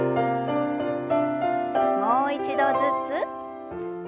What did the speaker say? もう一度ずつ。